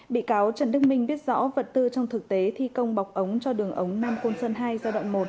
bị cáo trần đức minh biết rõ vật tư trong thực tế thi công bọc ống cho đường ống nam côn sơn hai giai đoạn một